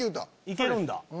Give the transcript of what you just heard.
行けるんだ。